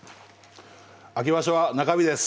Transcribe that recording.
秋場所は中日です。